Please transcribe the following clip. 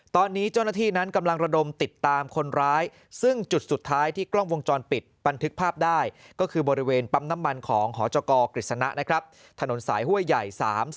ตอนนี้เจ้าหน้าที่นั้นกำลังระดมติดตามคนร้ายซึ่งจุดสุดท้ายที่กล้องวงจรปิดบันทึกภาพได้ก็คือบริเวณปั๊มน้ำมันของหจกฤษณะนะครับถนนสายห้วยใหญ่๓๔